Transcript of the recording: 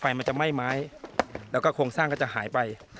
มันจะไหม้ไม้แล้วก็โครงสร้างก็จะหายไป